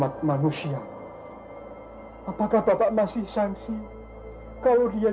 bisa menyelamatkan kaum nabi musa dari kejalanan fir'aun